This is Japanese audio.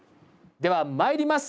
ではまいります。